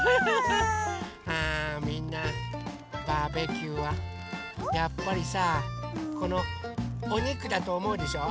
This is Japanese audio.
あみんなバーベキューはやっぱりさこのおにくだとおもうでしょう？